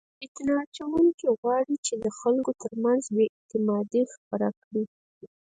فتنه اچونکي غواړي چې د خلکو ترمنځ بې اعتمادي خپره کړي.